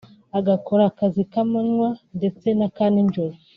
agakora akazi k’amanywa ndetse na ka ninjoro